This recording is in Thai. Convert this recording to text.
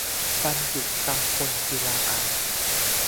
บัณฑุกัมพลศิลาอาสน์